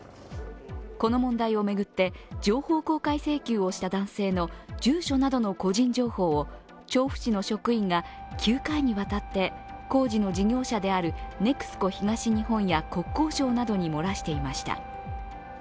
この問題を巡って、情報公開請求をした男性の住所などの個人情報を調布市の職員が９回にわたって工事の事業者であるＮＥＸＣＯ東日本や国土交通省などに漏らしていました。